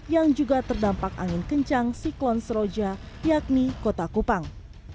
yang juga terdampak angin kencang siklon seroja yakni kota kupang